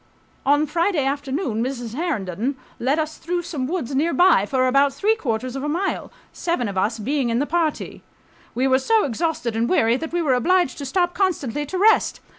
On Friday afternoon Mrs. Herndon [matron]. .. led us through some woods nearby, for about three quarters of a mile, seven of us being in the party. We were so exhausted and weary that we were obliged to stop constantly to rest.